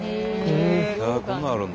こんなのあるんだ。